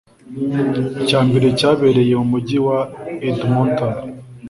icya mbere cyabereye mu Mujyi wa Edmonton